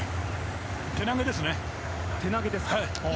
手投げですね。